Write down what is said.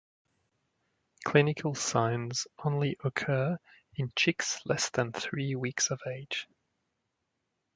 Clinical signs only occur in chicks less than three weeks of age.